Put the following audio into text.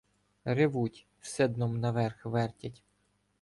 Ревуть, все дном наверх вертять.